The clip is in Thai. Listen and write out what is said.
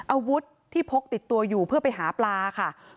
อาวุธที่พกติดตัวอยู่เพื่อไปหาปลาค่ะ